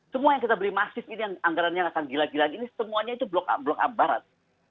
semua yang kita beli masif ini anggarannya akan gila gila ini semuanya itu blok an barat